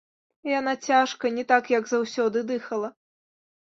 Яна цяжка, не так, як заўсёды, дыхала.